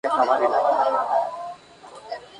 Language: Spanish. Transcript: Su habilidad en el empuje manos era sorprendente.